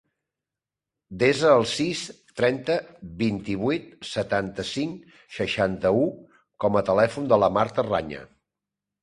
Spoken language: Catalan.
Desa el sis, trenta, vint-i-vuit, setanta-cinc, seixanta-u com a telèfon de la Marta Raña.